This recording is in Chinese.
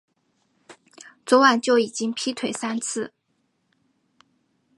昨晚就已经劈腿三次